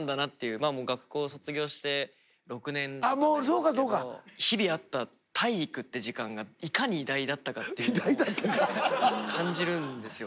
まあもう学校卒業して６年とかになりますけど日々あった体育って時間がいかに偉大だったかっていうのを感じるんですよ